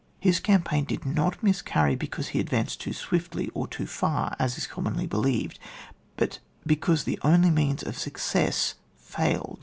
His campaign did not miscany becaufie he advanced too swiMy, or too far, as is commonly believed, but because the only means of success failed.